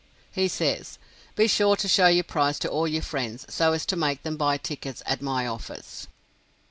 He says, "Be sure to show your prize to all your friends, so as to make them buy tickets at my office."